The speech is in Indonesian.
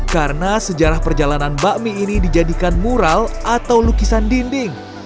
karena sejarah perjalanan bakmi ini dijadikan mural atau lukisan dinding